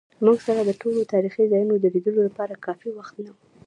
موږ سره د ټولو تاریخي ځایونو د لیدو لپاره کافي وخت نه و.